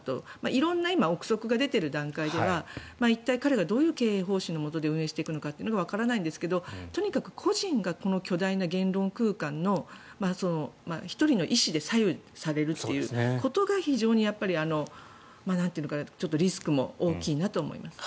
色んな臆測が出ている段階では一体、彼がどういう経営方針のもとで運営していくかはわからないんですがとにかく個人がこの巨大な言論空間の１人の意思で左右されるということが非常にリスクも大きいなと思います。